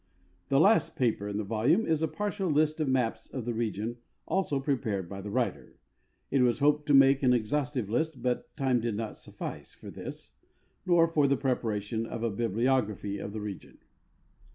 The last paper in the volume is a partial list of maps of the region, also prepared by the writer. It was hoped to make an exhaustive list, but time did not suffice for this, nor for the preparation of a bibliography of the region.